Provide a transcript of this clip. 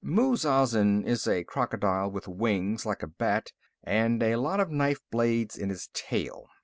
Muz Azin is a crocodile with wings like a bat and a lot of knife blades in his tail.